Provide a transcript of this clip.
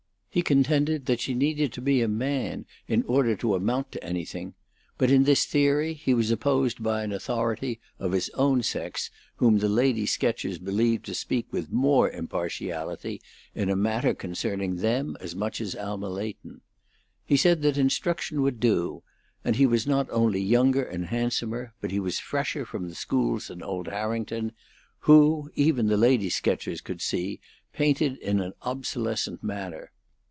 He contended that she needed to be a man in order to amount to anything; but in this theory he was opposed by an authority, of his own sex, whom the lady sketchers believed to speak with more impartiality in a matter concerning them as much as Alma Leighton. He said that instruction would do, and he was not only younger and handsomer, but he was fresher from the schools than old Harrington, who, even the lady sketchers could see, painted in an obsolescent manner.